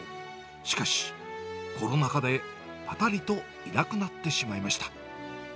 しかし、コロナ禍でぱたりといなくなってしまいました。